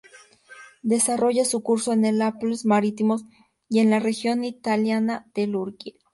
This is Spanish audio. Desarrolla su curso en los Alpes Marítimos y en la región italiana de Liguria.